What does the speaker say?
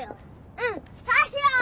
うんそうしよう。